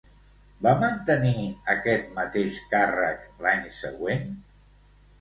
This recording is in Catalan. Va mantenir aquest mateix càrrec l'any següent?